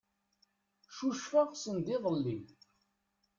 Cucfeɣ sendiḍelli.